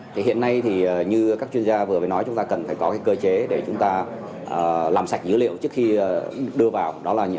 thì hiện nay thì như các chuyên gia vừa mới nói chúng ta cần phải có cái cơ chế để chúng ta làm sạch dữ liệu trước khi đưa vào đó là những